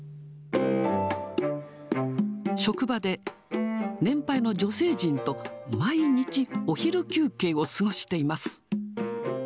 職場で、年配の女性陣と毎日お昼休憩を過ごしています。